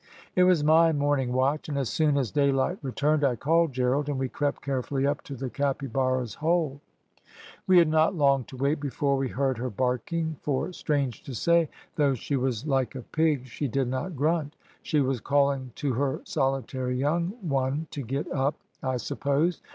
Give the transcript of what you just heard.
"It was my morning watch, and as soon as daylight returned I called Gerald, and we crept carefully up to the capybara's hole. "We had not long to wait before we heard her barking, for strange to say, though she was like a pig she did not grunt. She was calling to her solitary young one to get up, I suppose.